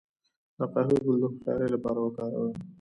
د قهوې ګل د هوښیارۍ لپاره وکاروئ